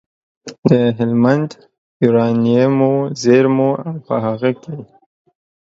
د هلمند یورانیمو زېرمو او په هغه کې